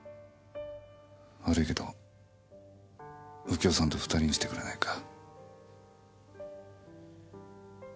悪いけど右京さんと２人にしてくれないか。